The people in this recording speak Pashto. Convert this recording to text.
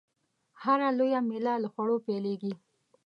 هره لويه میله له خوړو پیلېږي.